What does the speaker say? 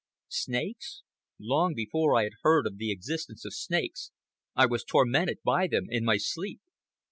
Snakes? Long before I had heard of the existence of snakes, I was tormented by them in my sleep.